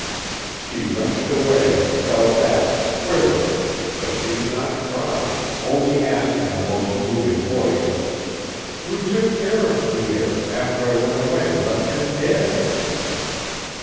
She wrenched away and fell back, quivering, but she did not cry, only asked in her most moving voice, "Who took care of Pierre after I went away and left him dead?"